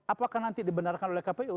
apakah nanti dibenarkan oleh kpu